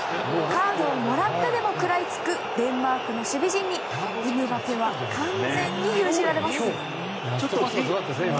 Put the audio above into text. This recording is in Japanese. カードをもらってでも食らいつくデンマークの守備陣にエムバペは完全に封じられます。